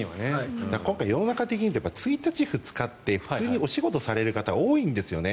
世の中的に１日、２日って普通にお仕事される人が多いんですよね。